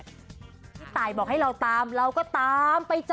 พี่ตายบอกให้เราตามเราก็ตามไปจ้